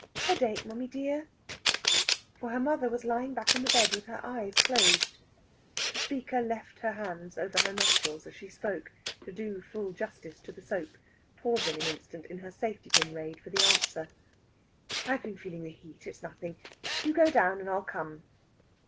"Headache, mammy dear?" For her mother was lying back on the bed, with her eyes closed. The speaker left her hands over her nostrils as she spoke, to do full justice to the soap, pausing an instant in her safety pin raid for the answer: "I've been feeling the heat. It's nothing. You go down, and I'll come."